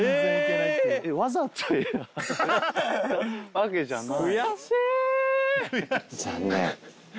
わけじゃない？